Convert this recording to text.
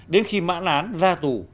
đến khi mãn án ra tù